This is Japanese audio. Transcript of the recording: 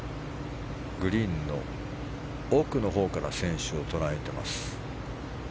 グリーンの奥のほうから選手を捉えています。